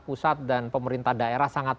pusat dan pemerintah daerah sangat